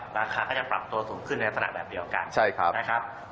ราคาก็จะปรับตัวสูงขึ้นในลักษณะแบบเดียวกันนะครับ